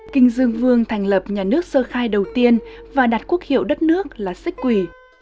kinh dương vương thành lập nhà nước sơ khai đầu tiên và đặt quốc hiệu đất nước là xích quỷ